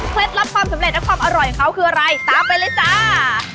ลับความสำเร็จและความอร่อยของเขาคืออะไรตามไปเลยจ้า